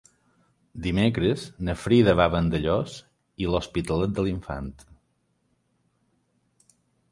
Dimecres na Frida va a Vandellòs i l'Hospitalet de l'Infant.